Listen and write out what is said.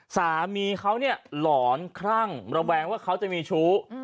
สามีเค้าหลอนครั่งแม้เค้าจะมีชู้